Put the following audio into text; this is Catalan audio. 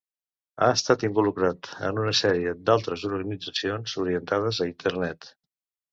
Ha estat involucrat en una sèrie d'altres organitzacions orientades a Internet.